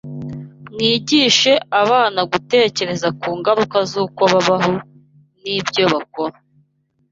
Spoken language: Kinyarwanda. Mwigishe abana gutekereza ku ngaruka z’uko babaho n’ibyo bakora.